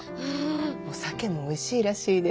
お酒もおいしいらしいで。